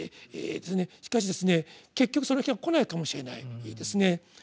しかしですね結局その日は来ないかもしれないですね。